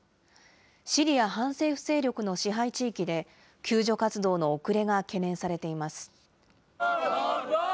シリア反政府勢力の支配地域で、救助活動の遅れが懸念されています。